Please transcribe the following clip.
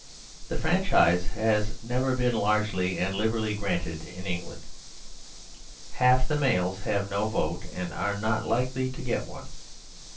The franchise has never been largely and liberally granted in England; half the males have no vote and are not likely to get one.